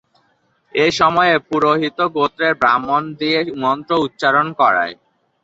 এ সময়ে পুরোহিত গোত্রের ব্রাহ্মণ দিয়ে মন্ত্র উচ্চারণ করায়।